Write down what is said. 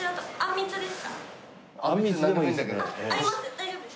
大丈夫です。